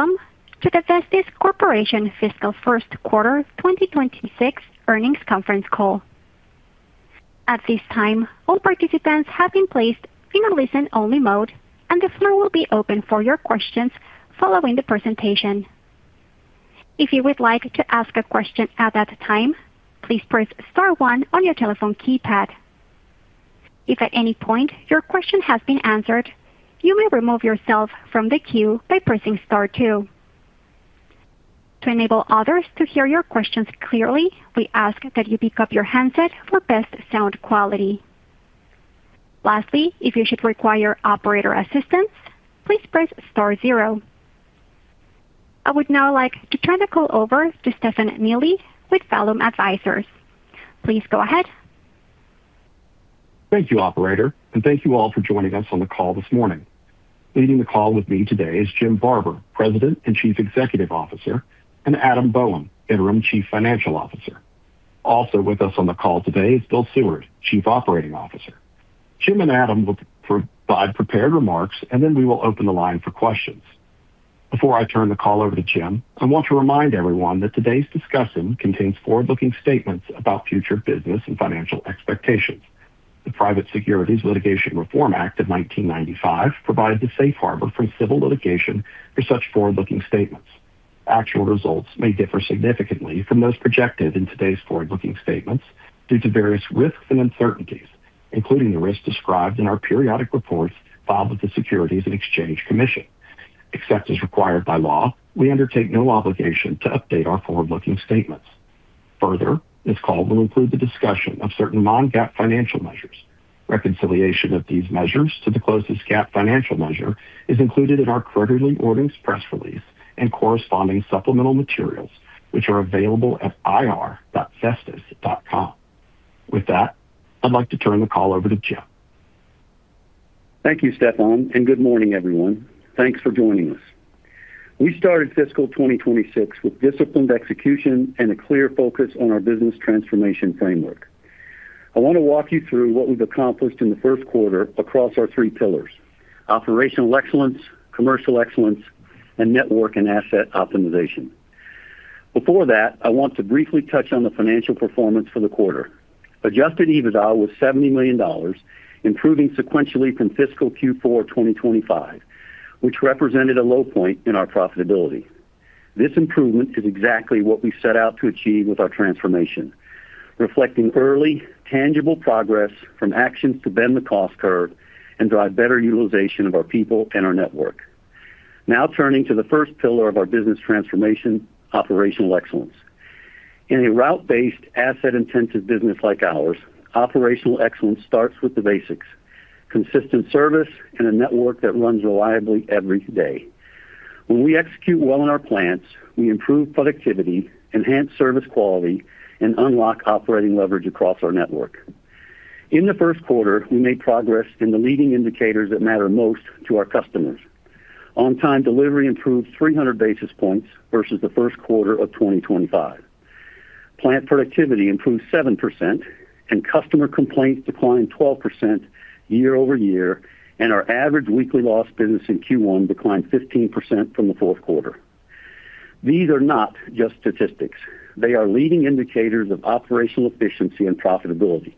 Welcome to the Vestis Corporation Fiscal First Quarter 2026 Earnings Conference Call. At this time, all participants have been placed in a listen-only mode, and the floor will be open for your questions following the presentation. If you would like to ask a question at that time, please press star one on your telephone keypad. If at any point your question has been answered, you may remove yourself from the queue by pressing star two. To enable others to hear your questions clearly, we ask that you pick up your handset for best sound quality. Lastly, if you should require operator assistance, please press star zero. I would now like to turn the call over to Stephanie Healy with Vellum Advisors. Please go ahead. Thank you, operator, and thank you all for joining us on the call this morning. Leading the call with me today is Jim Barber, President and Chief Executive Officer, and Adam Bowen, Interim Chief Financial Officer. Also with us on the call today is Bill Seward, Chief Operating Officer. Jim and Adam will provide prepared remarks, and then we will open the line for questions. Before I turn the call over to Jim, I want to remind everyone that today's discussion contains forward-looking statements about future business and financial expectations. The Private Securities Litigation Reform Act of 1995 provided a safe harbor from civil litigation for such forward-looking statements. Actual results may differ significantly from those projected in today's forward-looking statements due to various risks and uncertainties, including the risks described in our periodic reports filed with the Securities and Exchange Commission. Except as required by law, we undertake no obligation to update our forward-looking statements. Further, this call will include the discussion of certain non-GAAP financial measures. Reconciliation of these measures to the closest GAAP financial measure is included in our quarterly earnings press release and corresponding supplemental materials, which are available at ir.vestis.com. With that, I'd like to turn the call over to Jim. Thank you, Stephanie, and good morning, everyone. Thanks for joining us. We started fiscal 2026 with disciplined execution and a clear focus on our business transformation framework. I want to walk you through what we've accomplished in the first quarter across our three pillars: operational excellence, commercial excellence, and network and asset optimization. Before that, I want to briefly touch on the financial performance for the quarter. Adjusted EBITDA was $70 million, improving sequentially from fiscal Q4 2025, which represented a low point in our profitability. This improvement is exactly what we set out to achieve with our transformation, reflecting early, tangible progress from actions to bend the cost curve and drive better utilization of our people and our network. Now turning to the first pillar of our business transformation, operational excellence. In a route-based, asset-intensive business like ours, operational excellence starts with the basics: consistent service and a network that runs reliably every day. When we execute well in our plants, we improve productivity, enhance service quality, and unlock operating leverage across our network. In the first quarter, we made progress in the leading indicators that matter most to our customers. On-time delivery improved 300 basis points versus the first quarter of 2025. Plant productivity improved 7%, and customer complaints declined 12% year-over-year, and our average weekly loss business in Q1 declined 15% from the fourth quarter. These are not just statistics. They are leading indicators of operational efficiency and profitability.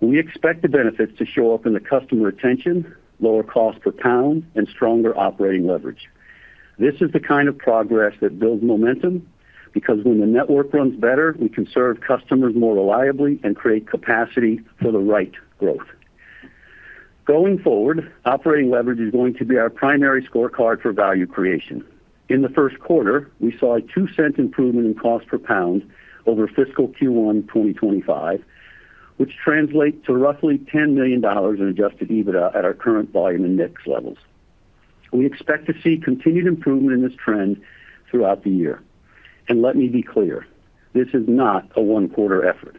We expect the benefits to show up in the customer retention, lower Cost Per Pound, and stronger operating leverage. This is the kind of progress that builds momentum because when the network runs better, we can serve customers more reliably and create capacity for the right growth. Going forward, operating leverage is going to be our primary scorecard for value creation. In the first quarter, we saw a $0.02 improvement in cost per pound over fiscal Q1 2025, which translates to roughly $10 million in Adjusted EBITDA at our current volume and mix levels. We expect to see continued improvement in this trend throughout the year. Let me be clear, this is not a one-quarter effort.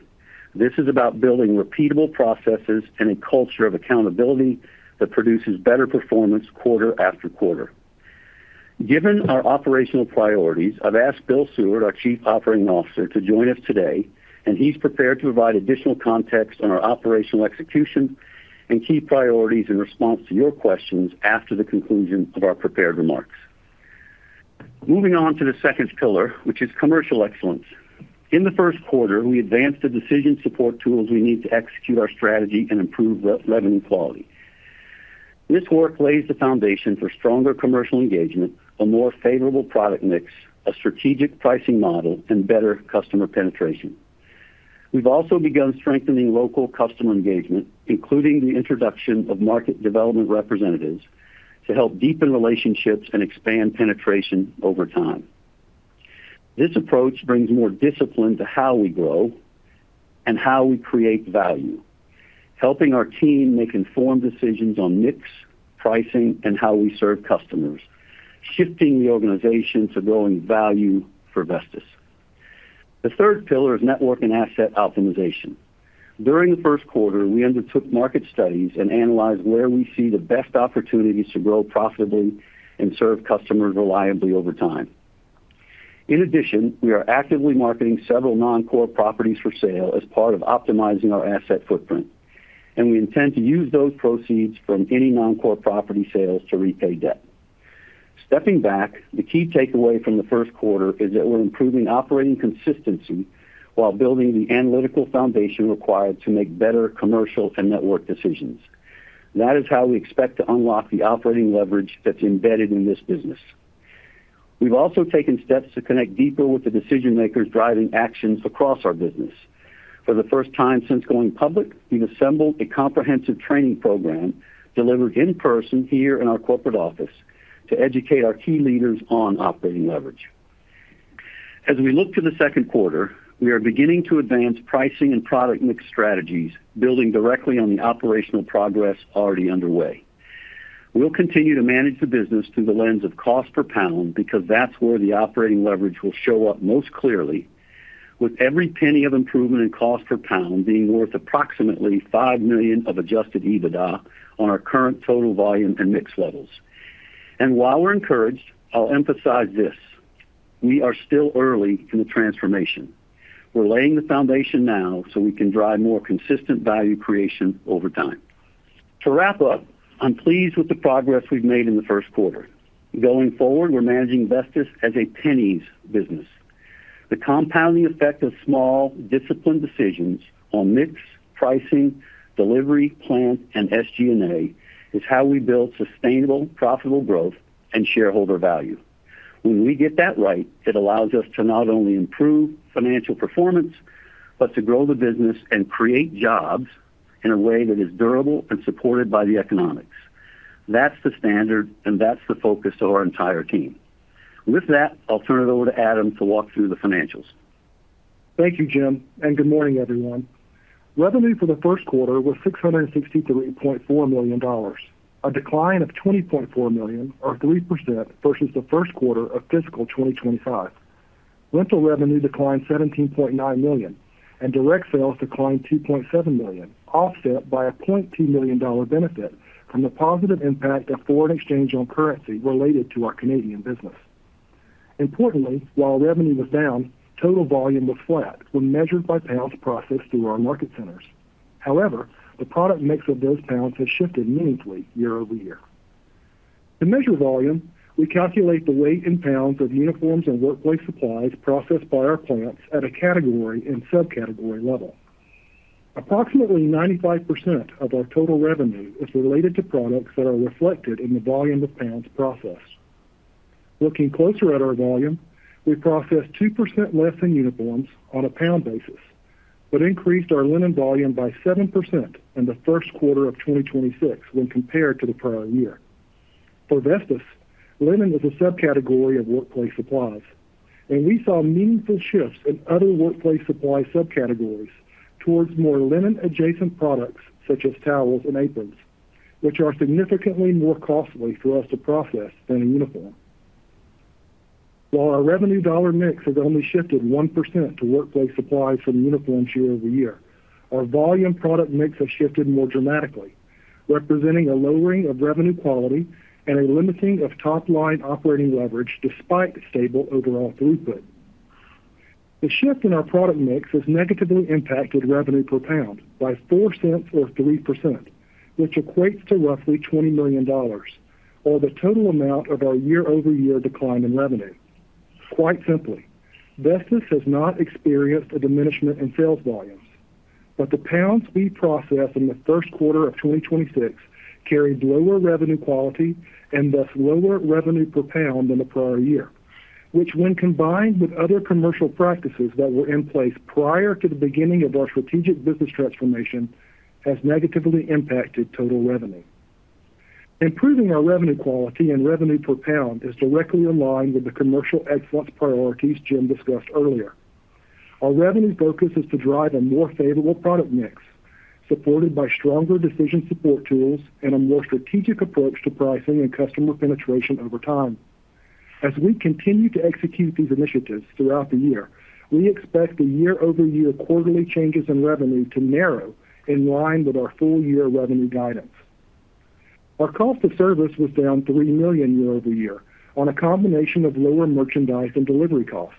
This is about building repeatable processes and a culture of accountability that produces better performance quarter after quarter. Given our operational priorities, I've asked Bill Seward, our Chief Operating Officer, to join us today, and he's prepared to provide additional context on our operational execution and key priorities in response to your questions after the conclusion of our prepared remarks. Moving on to the second pillar, which is commercial excellence. In the first quarter, we advanced the decision support tools we need to execute our strategy and improve revenue quality. This work lays the foundation for stronger commercial engagement, a more favorable product mix, a strategic pricing model, and better customer penetration. We've also begun strengthening local customer engagement, including the introduction of Market Development Representatives to help deepen relationships and expand penetration over time. This approach brings more discipline to how we grow and how we create value, helping our team make informed decisions on mix, pricing, and how we serve customers, shifting the organization to growing value for Vestis. The third pillar is network and asset optimization. During the first quarter, we undertook market studies and analyzed where we see the best opportunities to grow profitably and serve customers reliably over time. In addition, we are actively marketing several non-core properties for sale as part of optimizing our asset footprint, and we intend to use those proceeds from any non-core property sales to repay debt. Stepping back, the key takeaway from the first quarter is that we're improving operating consistency while building the analytical foundation required to make better commercial and network decisions. That is how we expect to unlock the operating leverage that's embedded in this business. We've also taken steps to connect deeper with the decision-makers driving actions across our business. For the first time since going public, we've assembled a comprehensive training program delivered in person here in our corporate office to educate our key leaders on operating leverage. As we look to the second quarter, we are beginning to advance pricing and product mix strategies, building directly on the operational progress already underway. We'll continue to manage the business through the lens of cost per pound because that's where the operating leverage will show up most clearly, with every penny of improvement in cost per pound being worth approximately $5 million of Adjusted EBITDA on our current total volume and mix levels. And while we're encouraged, I'll emphasize this: we are still early in the transformation. We're laying the foundation now so we can drive more consistent value creation over time. To wrap up, I'm pleased with the progress we've made in the first quarter. Going forward, we're managing Vestis as a pennies business. The compounding effect of small, disciplined decisions on mix, pricing, delivery, plant, and SG&A is how we build sustainable, profitable growth and shareholder value. When we get that right, it allows us to not only improve financial performance but to grow the business and create jobs in a way that is durable and supported by the economics. That's the standard, and that's the focus of our entire team. With that, I'll turn it over to Adam to walk through the financials. Thank you, Jim, and good morning, everyone. Revenue for the first quarter was $663.4 million, a decline of $20.4 million or 3% versus the first quarter of fiscal 2025. Rental revenue declined $17.9 million, and direct sales declined $2.7 million, offset by a $0.2 million benefit from the positive impact of foreign exchange on currency related to our Canadian business. Importantly, while revenue was down, total volume was flat when measured by pounds processed through our market centers. However, the product mix of those pounds has shifted meaningfully year-over-year. To measure volume, we calculate the weight in pounds of uniforms and workplace supplies processed by our plants at a category and subcategory level. Approximately 95% of our total revenue is related to products that are reflected in the volume of pounds processed. Looking closer at our volume, we processed 2% less than uniforms on a pound basis but increased our linen volume by 7% in the first quarter of 2026 when compared to the prior year. For Vestis, linen is a subcategory of workplace supplies, and we saw meaningful shifts in other workplace supply subcategories towards more linen-adjacent products such as towels and aprons, which are significantly more costly for us to process than a uniform. While our revenue dollar mix has only shifted 1% to workplace supplies from uniforms year-over-year, our volume product mix has shifted more dramatically, representing a lowering of revenue quality and a limiting of top-line operating leverage despite stable overall throughput. The shift in our product mix has negatively impacted revenue per pound by $0.04 or 3%, which equates to roughly $20 million or the total amount of our year-over-year decline in revenue. Quite simply, Vestis has not experienced a diminishment in sales volumes, but the pounds we processed in the first quarter of 2026 carried lower revenue quality and thus lower revenue per pound than the prior year, which, when combined with other commercial practices that were in place prior to the beginning of our strategic business transformation, has negatively impacted total revenue. Improving our revenue quality and revenue per pound is directly aligned with the commercial excellence priorities Jim discussed earlier. Our revenue focus is to drive a more favorable product mix, supported by stronger decision support tools and a more strategic approach to pricing and customer penetration over time. As we continue to execute these initiatives throughout the year, we expect the year-over-year quarterly changes in revenue to narrow in line with our full-year revenue guidance. Our cost of service was down $3 million year-over-year on a combination of lower merchandise and delivery costs.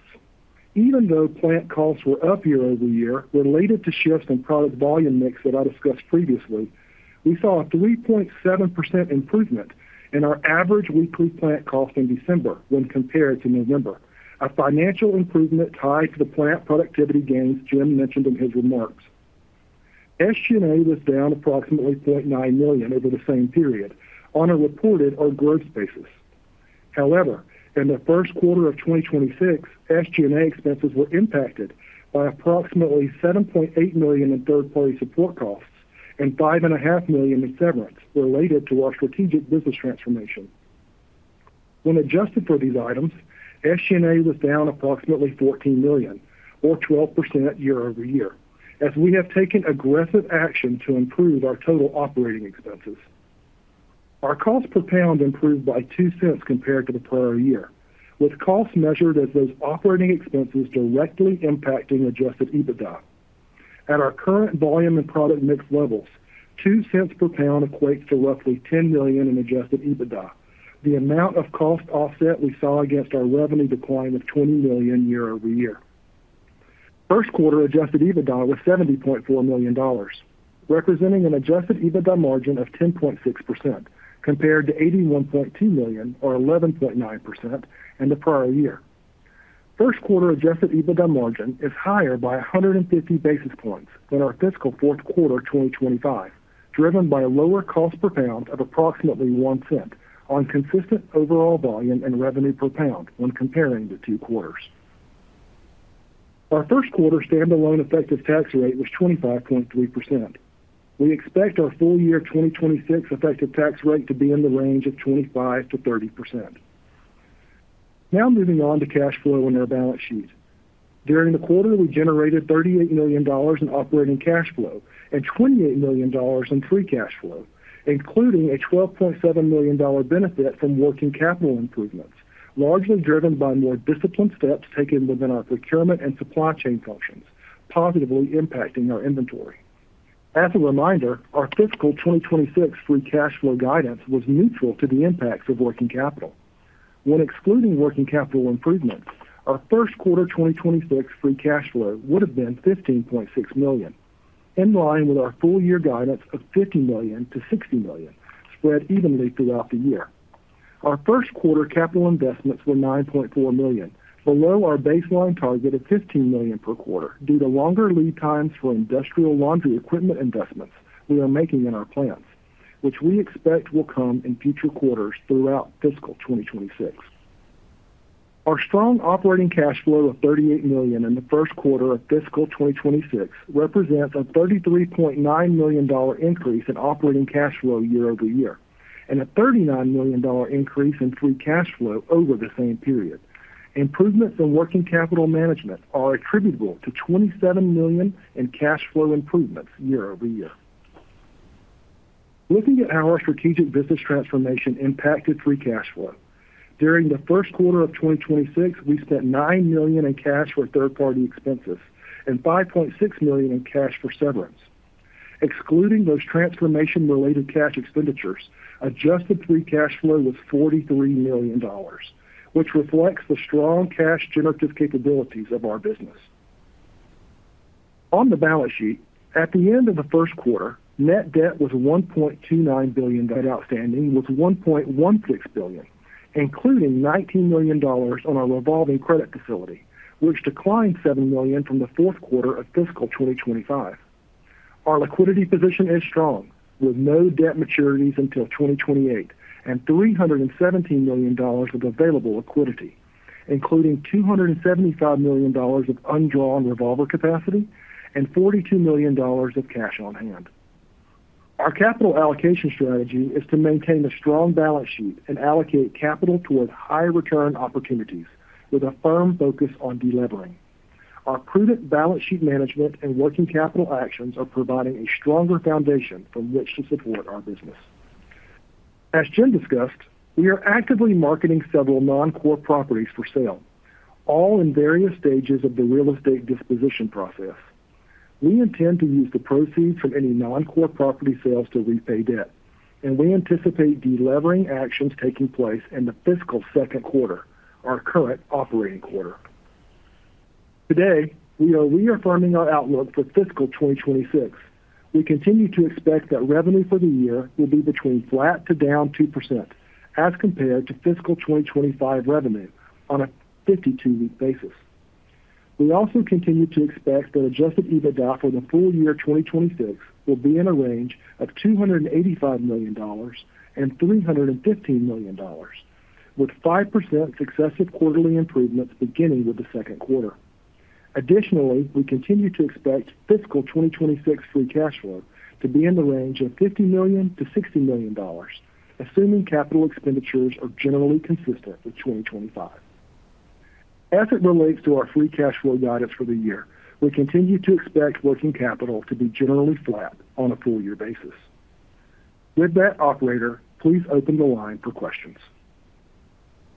Even though plant costs were up year-over-year related to shifts in product volume mix that I discussed previously, we saw a 3.7% improvement in our average weekly plant cost in December when compared to November, a financial improvement tied to the plant productivity gains Jim mentioned in his remarks. SG&A was down approximately $0.9 million over the same period on a reported or growth basis. However, in the first quarter of 2026, SG&A expenses were impacted by approximately $7.8 million in third-party support costs and $5.5 million in severance related to our strategic business transformation. When adjusted for these items, SG&A was down approximately $14 million or 12% year-over-year as we have taken aggressive action to improve our total operating expenses. Our cost per pound improved by $0.02 compared to the prior year, with costs measured as those operating expenses directly impacting adjusted EBITDA. At our current volume and product mix levels, $0.02 per pound equates to roughly $10 million in adjusted EBITDA, the amount of cost offset we saw against our revenue decline of $20 million year-over-year. First quarter adjusted EBITDA was $70.4 million, representing an adjusted EBITDA margin of 10.6% compared to $81.2 million or 11.9% in the prior year. First quarter adjusted EBITDA margin is higher by 150 basis points than our fiscal fourth quarter 2025, driven by a lower cost per pound of approximately $0.01 on consistent overall volume and revenue per pound when comparing the two quarters. Our first quarter standalone effective tax rate was 25.3%. We expect our full-year 2026 effective tax rate to be in the range of 25%-30%. Now moving on to cash flow in our balance sheet. During the quarter, we generated $38 million in operating cash flow and $28 million in free cash flow, including a $12.7 million benefit from working capital improvements, largely driven by more disciplined steps taken within our procurement and supply chain functions, positively impacting our inventory. As a reminder, our fiscal 2026 free cash flow guidance was neutral to the impacts of working capital. When excluding working capital improvements, our first quarter 2026 free cash flow would have been $15.6 million, in line with our full-year guidance of $50 million-$60 million spread evenly throughout the year. Our first quarter capital investments were $9.4 million, below our baseline target of $15 million per quarter due to longer lead times for industrial laundry equipment investments we are making in our plants, which we expect will come in future quarters throughout fiscal 2026. Our strong operating cash flow of $38 million in the first quarter of fiscal 2026 represents a $33.9 million increase in operating cash flow year over year and a $39 million increase in free cash flow over the same period. Improvements in working capital management are attributable to $27 million in cash flow improvements year over year. Looking at how our strategic business transformation impacted free cash flow, during the first quarter of 2026, we spent $9 million in cash for third-party expenses and $5.6 million in cash for severance. Excluding those transformation-related cash expenditures, adjusted free cash flow was $43 million, which reflects the strong cash generative capabilities of our business. On the balance sheet, at the end of the first quarter, net debt was $1.29 billion. Outstanding was $1.16 billion, including $19 million on our revolving credit facility, which declined $7 million from the fourth quarter of fiscal 2025. Our liquidity position is strong with no debt maturities until 2028 and $317 million of available liquidity, including $275 million of undrawn revolver capacity and $42 million of cash on hand. Our capital allocation strategy is to maintain a strong balance sheet and allocate capital toward high-return opportunities with a firm focus on delevering. Our prudent balance sheet management and working capital actions are providing a stronger foundation from which to support our business. As Jim discussed, we are actively marketing several non-core properties for sale, all in various stages of the real estate disposition process. We intend to use the proceeds from any non-core property sales to repay debt, and we anticipate delevering actions taking place in the fiscal second quarter, our current operating quarter. Today, we are reaffirming our outlook for fiscal 2026. We continue to expect that revenue for the year will be between flat to down 2% as compared to fiscal 2025 revenue on a 52-week basis. We also continue to expect that Adjusted EBITDA for the full year 2026 will be in a range of $285 million and $315 million, with 5% successive quarterly improvements beginning with the second quarter. Additionally, we continue to expect fiscal 2026 free cash flow to be in the range of $50 million to $60 million, assuming capital expenditures are generally consistent with 2025. As it relates to our free cash flow guidance for the year, we continue to expect working capital to be generally flat on a full-year basis. With that, operator, please open the line for questions.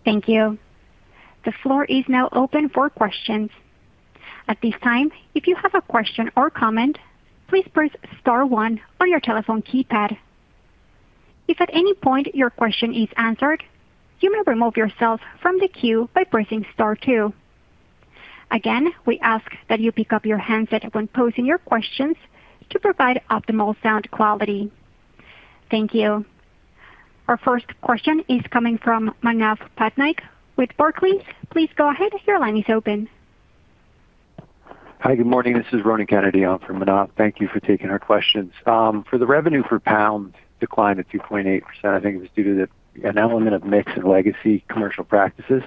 Thank you. The floor is now open for questions. At this time, if you have a question or comment, please press star one on your telephone keypad. If at any point your question is answered, you may remove yourself from the queue by pressing star two. Again, we ask that you pick up your handset when posing your questions to provide optimal sound quality. Thank you. Our first question is coming from Manav Patnaik with Barclays. Please go ahead. Your line is open. Hi, good morning. This is Ronan Kennedy. I'm from Manav. Thank you for taking our questions. For the revenue per pound decline of 2.8%, I think it was due to an element of mix and legacy commercial practices.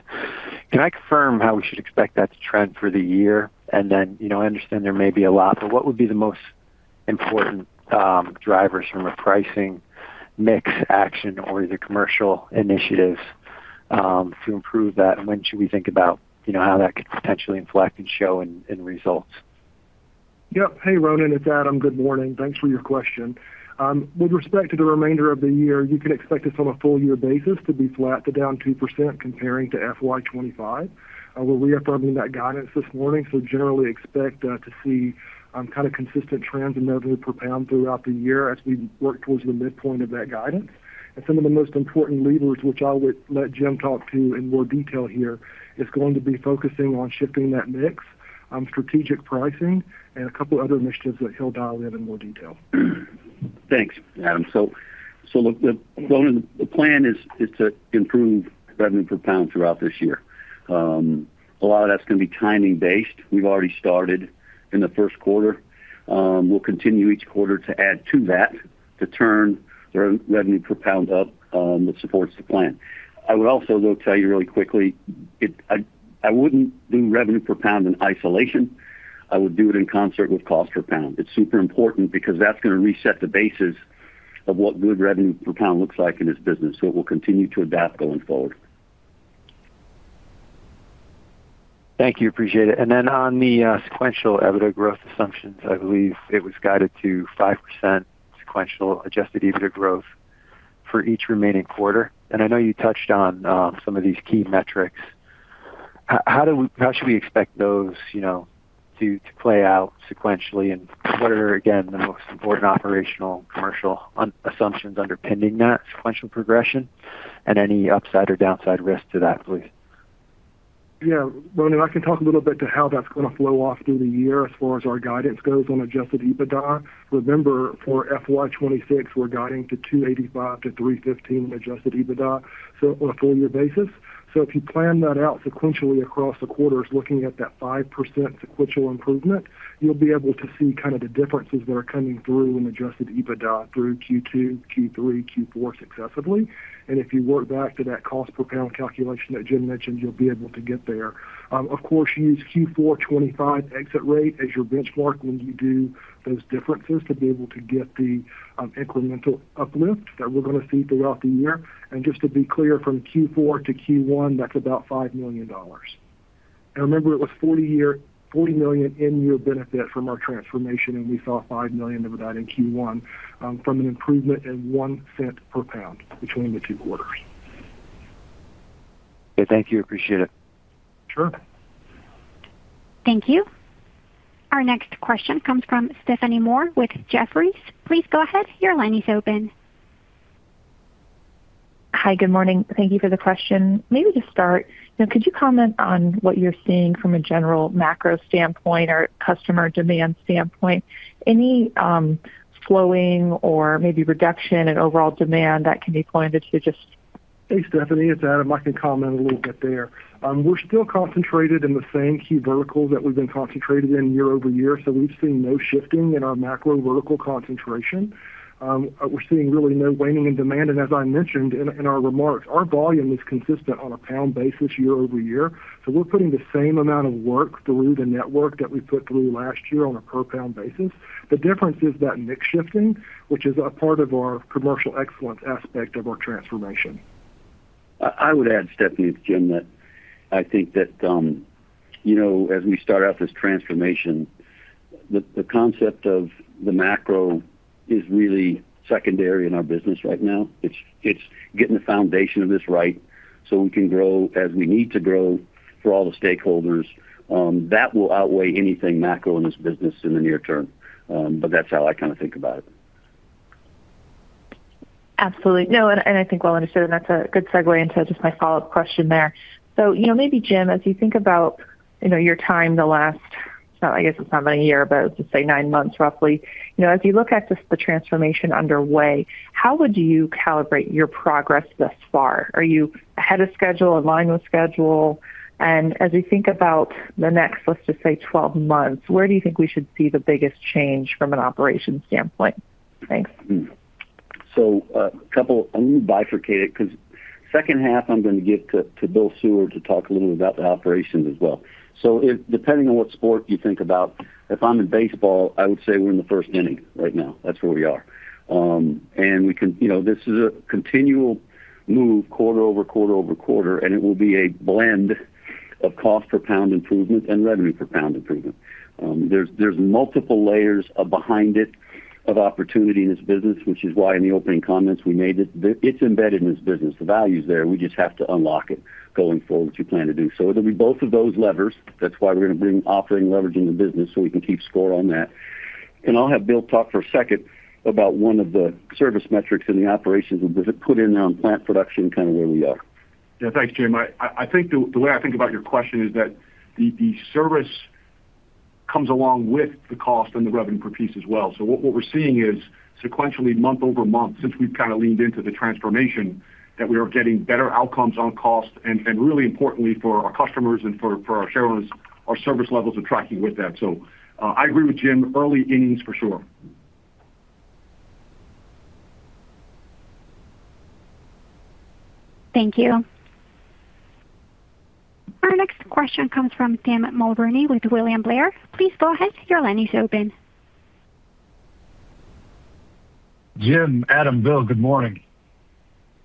Can I confirm how we should expect that to trend for the year? And then I understand there may be a lot, but what would be the most important drivers from a pricing mix action or either commercial initiatives to improve that? And when should we think about how that could potentially inflect and show in results? Yeah. Hey, Ronan. It's Adam. Good morning. Thanks for your question. With respect to the remainder of the year, you can expect this on a full-year basis to be flat to down 2% comparing to FY 2025. We're reaffirming that guidance this morning, so generally expect to see kind of consistent trends in revenue per pound throughout the year as we work towards the midpoint of that guidance. And some of the most important levers, which I would let Jim talk to in more detail here, is going to be focusing on shifting that mix, strategic pricing, and a couple of other initiatives that he'll dial in in more detail. Thanks, Adam. So Ronan, the plan is to improve revenue per pound throughout this year. A lot of that's going to be timing-based. We've already started in the first quarter. We'll continue each quarter to add to that to turn the revenue per pound up that supports the plan. I would also, though, tell you really quickly, I wouldn't do revenue per pound in isolation. I would do it in concert with cost per pound. It's super important because that's going to reset the basis of what good revenue per pound looks like in this business. So it will continue to adapt going forward. Thank you. Appreciate it. And then on the sequential EBITDA growth assumptions, I believe it was guided to 5% sequential Adjusted EBITDA growth for each remaining quarter. And I know you touched on some of these key metrics. How should we expect those to play out sequentially? And what are, again, the most important operational commercial assumptions underpinning that sequential progression and any upside or downside risk to that, please? Yeah. Ronan, I can talk a little bit to how that's going to flow off through the year as far as our guidance goes on adjusted EBITDA. Remember, for FY 2026, we're guiding to $285-$315 in adjusted EBITDA on a full-year basis. So if you plan that out sequentially across the quarters, looking at that 5% sequential improvement, you'll be able to see kind of the differences that are coming through in adjusted EBITDA through Q2, Q3, Q4 successively. And if you work back to that cost per pound calculation that Jim mentioned, you'll be able to get there. Of course, use Q4 2025 exit rate as your benchmark when you do those differences to be able to get the incremental uplift that we're going to see throughout the year. And just to be clear, from Q4 to Q1, that's about $5 million. Remember, it was $40 million in-year benefit from our transformation, and we saw $5 million of that in Q1 from an improvement in $0.01 per pound between the two quarters. Okay. Thank you. Appreciate it. Sure. Thank you. Our next question comes from Stephanie Moore with Jefferies. Please go ahead. Your line is open. Hi, good morning. Thank you for the question. Maybe to start, could you comment on what you're seeing from a general macro standpoint or customer demand standpoint? Any slowing or maybe reduction in overall demand that can be pointed to just? Hey, Stephanie. It's Adam. I can comment a little bit there. We're still concentrated in the same key verticals that we've been concentrated in year-over-year, so we've seen no shifting in our macro vertical concentration. We're seeing really no waning in demand. And as I mentioned in our remarks, our volume is consistent on a pound basis year-over-year. So we're putting the same amount of work through the network that we put through last year on a per-pound basis. The difference is that mix shifting, which is a part of our commercial excellence aspect of our transformation. I would add, Stephanie, to Jim, that I think that as we start out this transformation, the concept of the macro is really secondary in our business right now. It's getting the foundation of this right so we can grow as we need to grow for all the stakeholders. That will outweigh anything macro in this business in the near term, but that's how I kind of think about it. Absolutely. No, and I think well understood. And that's a good segue into just my follow-up question there. So maybe, Jim, as you think about your time the last I guess it's not been a year, but let's just say nine months roughly, as you look at just the transformation underway, how would you calibrate your progress thus far? Are you ahead of schedule, in line with schedule? And as you think about the next, let's just say, 12 months, where do you think we should see the biggest change from an operations standpoint? Thanks. So a couple, I'm going to bifurcate it because second half, I'm going to give to Bill Seward to talk a little bit about the operations as well. So depending on what sport you think about, if I'm in baseball, I would say we're in the first inning right now. That's where we are. And this is a continual move quarter-over-quarter, and it will be a blend of cost per pound improvement and revenue per pound improvement. There's multiple layers behind it of opportunity in this business, which is why in the opening comments, we made it. It's embedded in this business. The value's there. We just have to unlock it going forward what you plan to do. So it'll be both of those levers. That's why we're going to bring operating leverage into the business so we can keep score on that. I'll have Bill talk for a second about one of the service metrics in the operations that we put in on plant production, kind of where we are. Yeah. Thanks, Jim. I think the way I think about your question is that the service comes along with the cost and the revenue per piece as well. So what we're seeing is sequentially, month-over-month, since we've kind of leaned into the transformation, that we are getting better outcomes on cost and, really importantly, for our customers and for our shareholders, our service levels are tracking with that. So I agree with Jim. Early innings, for sure. Thank you. Our next question comes from Tim Mulrooney with William Blair. Please go ahead. Your line is open. Jim, Adam, Bill. Good morning.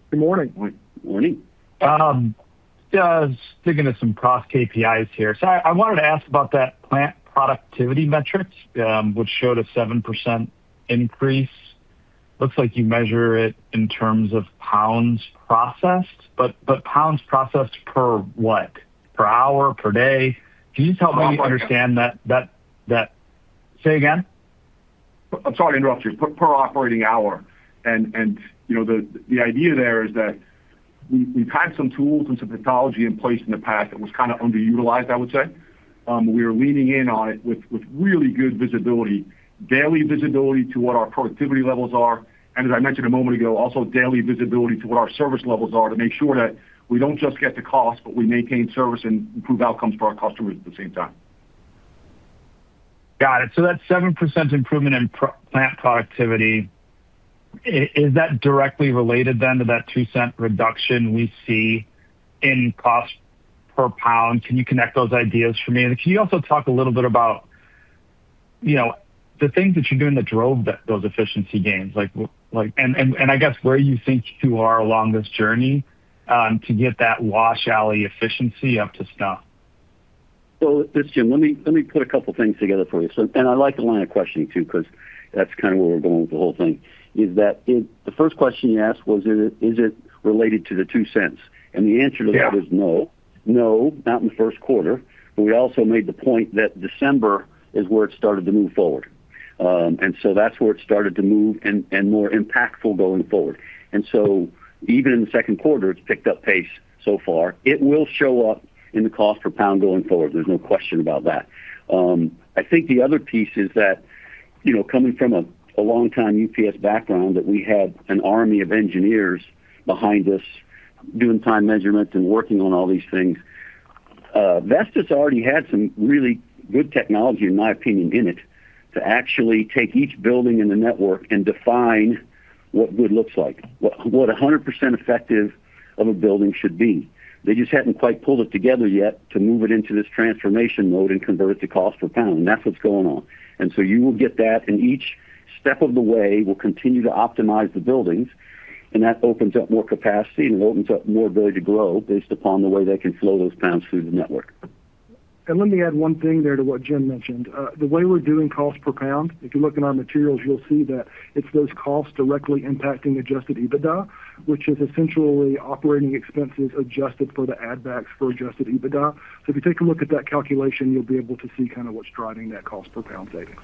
Good morning. Good morning. Just digging into some cross KPIs here. So I wanted to ask about that plant productivity metrics, which showed a 7% increase. Looks like you measure it in terms of pounds processed, but pounds processed per what? Per hour? Per day? Can you just help me understand that? Say again. I'm sorry to interrupt you. Per operating hour. The idea there is that we've had some tools and some technology in place in the past that was kind of underutilized, I would say. We are leaning in on it with really good visibility, daily visibility to what our productivity levels are. As I mentioned a moment ago, also daily visibility to what our service levels are to make sure that we don't just get to cost, but we maintain service and improve outcomes for our customers at the same time. Got it. So that 7% improvement in plant productivity, is that directly related then to that $0.02 reduction we see in cost per pound? Can you connect those ideas for me? And can you also talk a little bit about the things that you're doing that drove those efficiency gains? And I guess where you think you are along this journey to get that wash alley efficiency up to snuff? So listen, Jim, let me put a couple of things together for you. And I like the line of questioning too because that's kind of where we're going with the whole thing, is that the first question you asked, was, "Is it related to the $0.02?" And the answer to that is no. No, not in the first quarter. But we also made the point that December is where it started to move forward. And so that's where it started to move and more impactful going forward. And so even in the second quarter, it's picked up pace so far. It will show up in the cost per pound going forward. There's no question about that. I think the other piece is that coming from a long-time UPS background, that we had an army of engineers behind us doing time measurements and working on all these things. Vestis already had some really good technology, in my opinion, in it to actually take each building in the network and define what good looks like, what 100% effective of a building should be. They just hadn't quite pulled it together yet to move it into this transformation mode and convert it to cost per pound. And that's what's going on. And so you will get that. And each step of the way will continue to optimize the buildings. And that opens up more capacity, and it opens up more ability to grow based upon the way they can flow those pounds through the network. Let me add one thing there to what Jim mentioned. The way we're doing cost per pound, if you look in our materials, you'll see that it's those costs directly impacting Adjusted EBITDA, which is essentially operating expenses adjusted for the add-backs for Adjusted EBITDA. So if you take a look at that calculation, you'll be able to see kind of what's driving that cost per pound savings.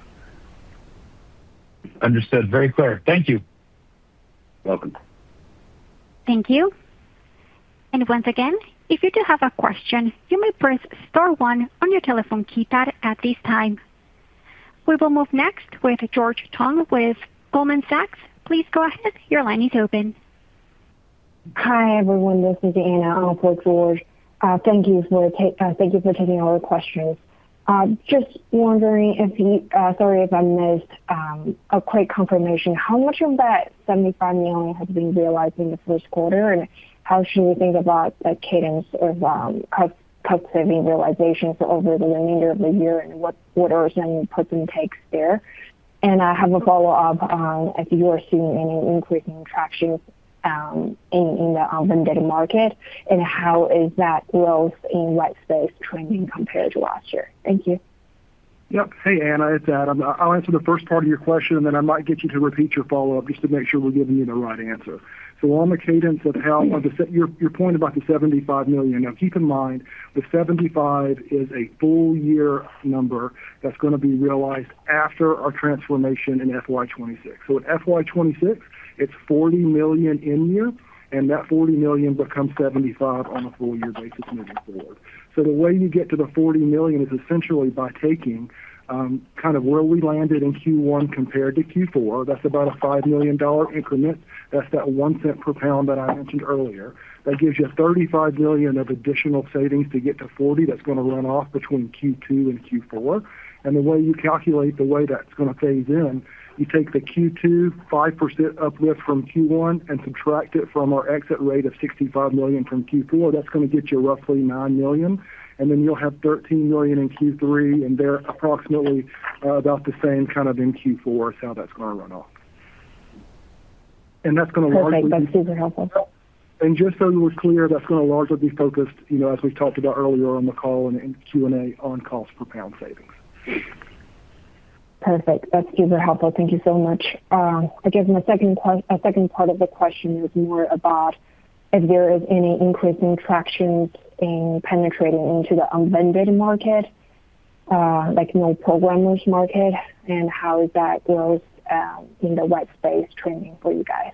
Understood. Very clear. Thank you. Welcome. Thank you. Once again, if you do have a question, you may press star 1 on your telephone keypad at this time. We will move next with George Tong with Goldman Sachs. Please go ahead. Your line is open. Hi, everyone. This is Anna. I'm for George. Thank you for taking all the questions. Just wondering if you sorry if I missed a quick confirmation. How much of that $75 million has been realized in the first quarter, and how should we think about the cadence of cost saving realizations over the remainder of the year and what orders and puts and takes there? And I have a follow-up if you are seeing any increasing traction in the unvended market, and how is that growth in white space trending compared to last year? Thank you. Yeah. Hey, Anna. It's Adam. I'll answer the first part of your question, and then I might get you to repeat your follow-up just to make sure we're giving you the right answer. So on the cadence of how your point about the $75 million, now keep in mind, the 75 is a full-year number that's going to be realized after our transformation in FY 2026. So in FY 2026, it's $40 million in-year, and that $40 million becomes 75 on a full-year basis moving forward. So the way you get to the $40 million is essentially by taking kind of where we landed in Q1 compared to Q4. That's about a $5 million increment. That's that 1 cent per pound that I mentioned earlier. That gives you $35 million of additional savings to get to 40 that's going to run off between Q2 and Q4. The way you calculate the way that's going to phase in, you take the Q2 5% uplift from Q1 and subtract it from our exit rate of $65 million from Q4. That's going to get you roughly $9 million. And then you'll have $13 million in Q3, and they're approximately about the same kind of in Q4 is how that's going to run off. And that's going to largely. Perfect. That's super helpful. Just so it was clear, that's going to largely be focused, as we talked about earlier on the call and in Q&A, on Cost Per Pound savings. Perfect. That's super helpful. Thank you so much. I guess my second part of the question is more about if there is any increasing traction in penetrating into the unvended market, like No-Programmers market, and how is that growth in the white space trending for you guys?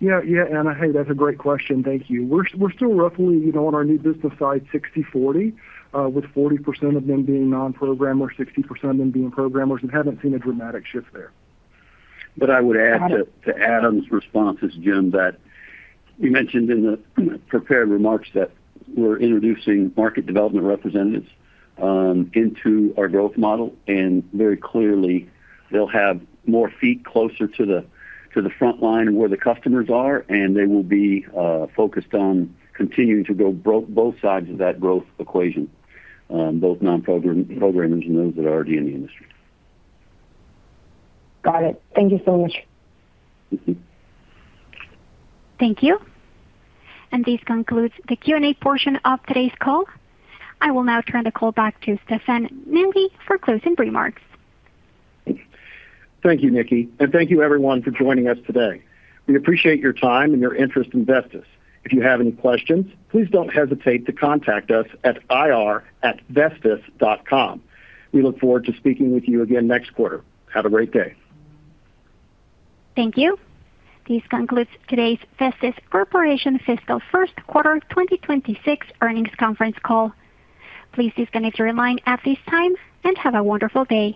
Yeah. Yeah, Anna. Hey, that's a great question. Thank you. We're still roughly, on our new business side, 60/40, with 40% of them being non-programmers, 60% of them being programmers, and haven't seen a dramatic shift there. But I would add to Adam's responses, Jim, that you mentioned in the prepared remarks that we're introducing market development representatives into our growth model. And very clearly, they'll have more feet closer to the front line where the customers are, and they will be focused on continuing to go both sides of that growth equation, both non-programmers and those that are already in the industry. Got it. Thank you so much. You too. Thank you. This concludes the Q&A portion of today's call. I will now turn the call back to Stephanie Healy for closing remarks. Thank you, Nikki. Thank you, everyone, for joining us today. We appreciate your time and your interest in Vestis. If you have any questions, please don't hesitate to contact us at ir@vestis.com. We look forward to speaking with you again next quarter. Have a great day. Thank you. This concludes today's Vestis Corporation Fiscal First Quarter 2026 Earnings Conference call. Please disconnect your line at this time and have a wonderful day.